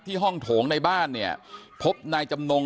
ห้องโถงในบ้านเนี่ยพบนายจำนง